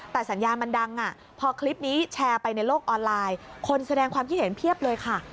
แต่สัญญามันดังพอคลิปนี้แชร์ไปในโลกออนไลน์คนแสดงความคิดเห็นเพียบเลยค่ะ